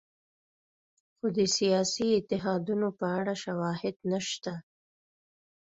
خو د سیاسي اتحادونو په اړه شواهد نشته.